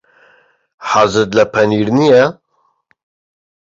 حەزت لە پەنیر نییە.